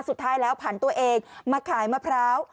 สุดท้ายแล้วผันตัวเองมาขายมะพร้าว